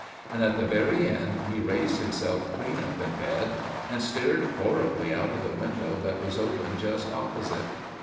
And at the very end he raised himself clean up in bed, and stared horribly out of the window that was open just opposite.